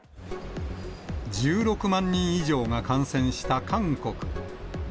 １６万人以上が感染した韓国。